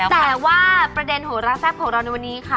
แต่ว่าประเด็นโหระแซ่บของเราในวันนี้ค่ะ